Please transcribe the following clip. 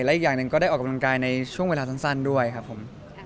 และอีกอย่างหนึ่งก็ได้ออกกำลังกายในช่วงเวลาสั้นด้วยครับผม